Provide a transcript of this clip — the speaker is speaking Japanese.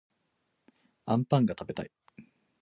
あんぱんがたべたい